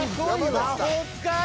「魔法使い」！